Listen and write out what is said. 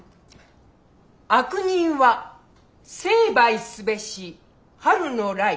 「悪人は成敗すべし春の雷」。